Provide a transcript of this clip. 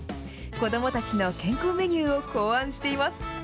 子どもたちの健康メニューを考案しています。